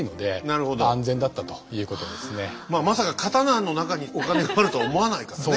まあ何よりまあまさか刀の中にお金があるとは思わないからね。